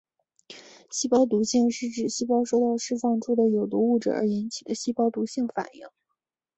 细胞毒性是指细胞受到释放出的有毒物质而引起的细胞毒性反应。